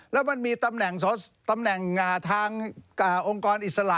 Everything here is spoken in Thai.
แล้วมันมีตำแหน่งทางองค์กรอิสระ